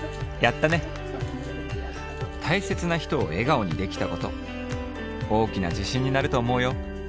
たいせつな人を笑顔にできたこと大きなじしんになると思うよ。